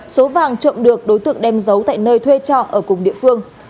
số vàng trộm được đối tượng đem giấu tại nơi thuê trọ ở cùng địa phương